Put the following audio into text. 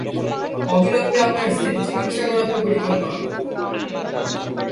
অবিলম্বে আপনার স্ত্রীর চিকিৎসা করাতে পরিকল্পনা করুন।